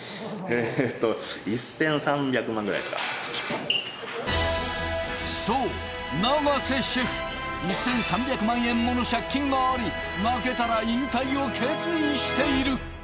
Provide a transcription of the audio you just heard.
えっとそう長瀬シェフ１３００万円もの借金があり負けたら引退を決意している